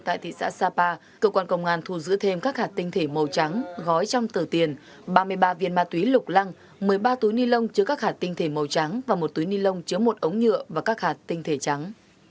tại thị xã sapa cơ quan công an thu giữ thêm các hạt tinh thể màu trắng gói trong tờ tiền ba mươi ba viên ma túy lục lăng một mươi ba túi ni lông chứa các hạt tinh thể màu trắng và một túi ni lông chứa một ống nhựa và các hạt tinh thể trắng